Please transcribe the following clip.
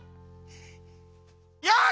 よし！